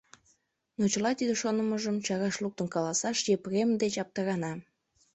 Но чыла тиде шонымыжым чараш луктын каласаш Епрем деч аптырана.